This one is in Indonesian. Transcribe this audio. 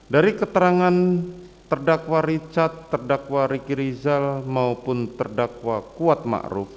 dari keterangan terdakwa richard terdakwa riki rizal maupun terdakwa kuat ma'ruf